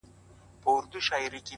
نیک عمل له یادونو اوږد عمر لري